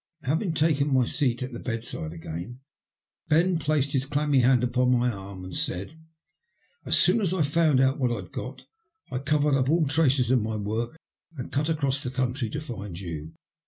Having taken my seat at the bedside again, Ben placed his clammy hand npon my arm and said —As soon as I found what I'd got, I covered up all traces of my work and cut across country to find you.